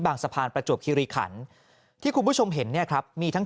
สะพานประจวบคิริขันที่คุณผู้ชมเห็นเนี่ยครับมีทั้ง